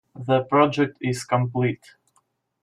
The project is complete.